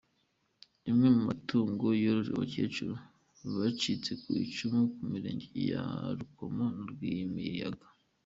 Rimwe mu matungo yorojwe abakecuru bacitse ku icumu mu mirenge ya Rukomo na Rwimiyaga.